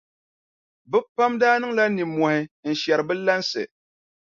Bɛ pam daa niŋla nimmɔhi n-shɛri bɛ lansi.